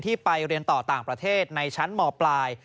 ไปเรียนต่อต่างประเทศในชั้นมปลาย